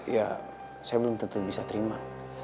ya saya belum tentu bisa terima